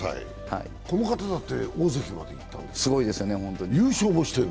この方だって大関までいったんだ、優勝もしてる。